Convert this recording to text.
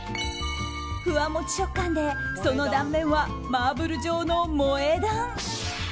ふわモチ食感で、その断面はマーブル状の萌え断。